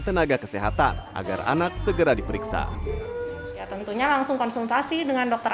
tenaga kesehatan agar anak segera diperiksa ya tentunya langsung konsultasi dengan dokter